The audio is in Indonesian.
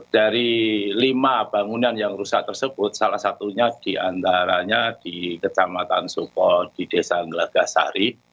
dari lima bangunan yang rusak tersebut salah satunya diantaranya di kecamatan soko di desa ngelagasari